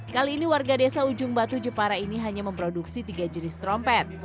kali ini warga desa ujung batu jepara ini hanya memproduksi tiga jenis trompet